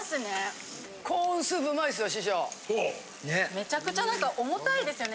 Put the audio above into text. めちゃくちゃなんか重たいですよね。